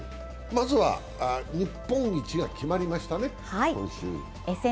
まずは日本一が決まりましたね、今週。